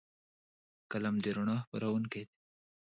قلم د رڼا خپروونکی دی